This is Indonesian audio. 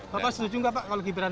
bapak setuju nggak pak kalau gibran